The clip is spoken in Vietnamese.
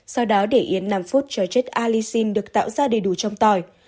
sau đó để yến năm phút cho chết alisin được tạo ra đầy đủ trong tỏi